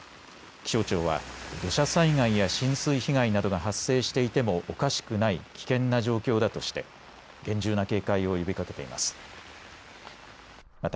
気象庁は土砂災害や浸水被害などが発生していてもおかしくない危険な状況だとして厳重な警戒を呼びかけています。